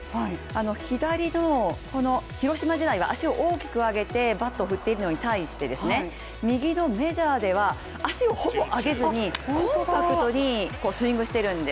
左の広島時代は足を大きく上げてバットを振っているのに対して右のメジャーでは足をほぼ上げずにコンパクトにスイングしているんです。